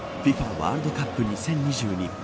ワールドカップ２０２２